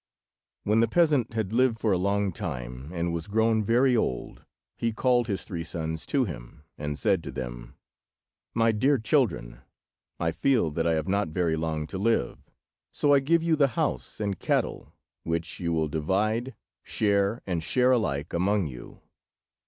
When the peasant had lived for a long time, and was grown very old, he called his three sons to him, and said to them— "My dear children, I feel that I have not very long to live, so I give you the house and cattle, which you will divide, share and share alike, among you.